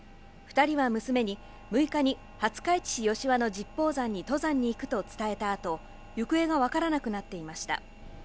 ２人は娘に、６日に廿日市市吉和の十方山に登山に行くと伝えたあと、行方が分からなくなっていました。